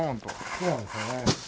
そうなんですよね。